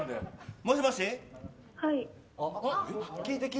もしもし！